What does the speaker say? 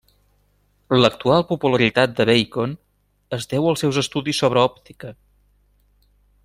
L'actual popularitat de Bacon es deu als seus estudis sobre òptica.